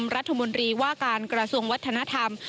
รัฐมนตรีว่าการกระทรวงวัฒนธรรม